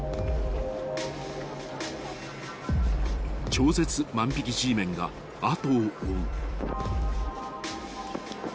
［超絶万引Ｇメンが後を追う］